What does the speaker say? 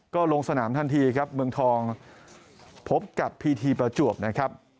ก็ลงสนามทันทีครับเมืองทองพบกับพีทีประจวบนะครับ